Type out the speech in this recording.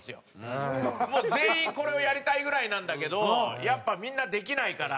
全員これをやりたいぐらいなんだけどやっぱみんなできないから。